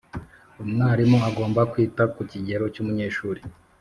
umwarimu agomba kwita ku kigero cy’umunyeshuri